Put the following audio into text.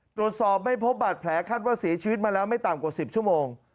ตรวจสอบไม่พบบาดแผลคาดว่าเสียชีวิตมาแล้วไม่ต่ำกว่า๑๐ชั่วโมง